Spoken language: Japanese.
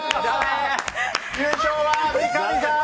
優勝は三上さん！